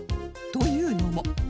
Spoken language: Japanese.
というのも